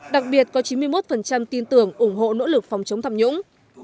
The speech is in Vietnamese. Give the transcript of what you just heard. đặc biệt có chín mươi một tin tưởng ủng hộ nỗ lực phòng chống tham nhũng